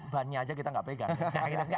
bannya aja kita nggak pegang